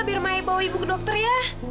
biar bawa ibu ke dokter ya